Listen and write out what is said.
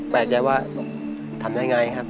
ปลายใจว่าทำได้ไงครับ